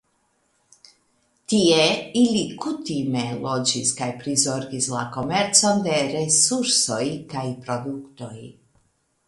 Tie ili kutime loĝis kaj prizorgis la komercon de resursoj kaj produktoj.